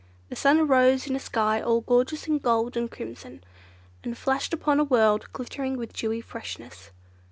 The sun arose in a sky all gorgeous in gold and crimson, and flashed upon a world glittering with dewy freshness.